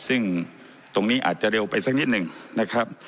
ซึ่งตรงนี้อาจจะเร็วไปสักนิดหนึ่งนะครับ